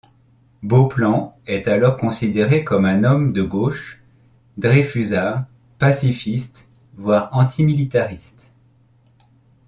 Beauplan est alors considéré comme un homme de gauche, dreyfusard, pacifiste, voire antimilitariste.